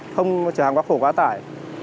không chở hàng quá khổ quá tải